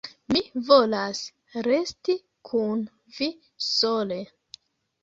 Mi volas resti kun vi sole.